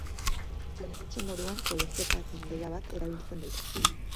Udaletxe moduan kolegiataren gela bat erabiltzen dute.